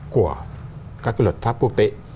của các cái luật pháp quốc tế